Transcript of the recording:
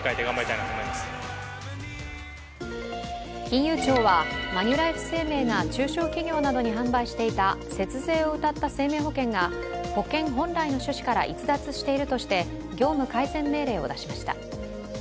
金融庁は、マニュライフ生命が中小企業などに販売していた節税をうたった生命保険が保険本来の趣旨から逸脱しているとして業務改善命令を出しました。